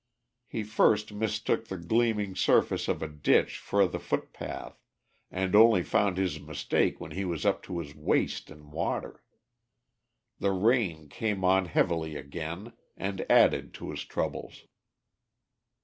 He first mistook the gleaming surface of a ditch for the footpath, and only found his mistake when he was up to his waist in water. The rain came on heavily again, and added to his troubles.